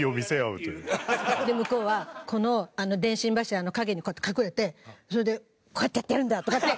向こうは電信柱の陰にこうやって隠れてそれで「こうやってやってるんだ」とかって。